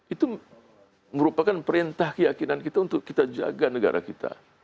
itu merupakan perintah keyakinan kita untuk kita jaga negara kita